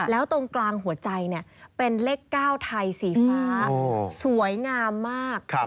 แล้วตรงกลางหัวใจเป็นเลข๙ไทยสีฟ้าสวยงามมาก